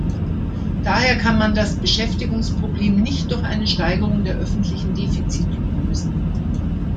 Daher kann man das Beschäftigungsproblem nicht durch eine Steigerung der öffentlichen Defizite lösen.